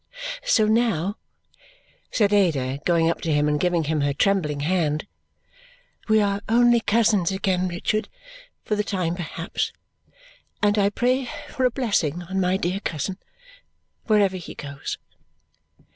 So now," said Ada, going up to him and giving him her trembling hand, "we are only cousins again, Richard for the time perhaps and I pray for a blessing on my dear cousin, wherever he goes!"